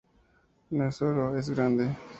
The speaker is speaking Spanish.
no es oro. es grande.